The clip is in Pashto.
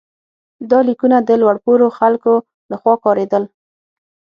دا لیکونه د لوړ پوړو خلکو لخوا کارېدل.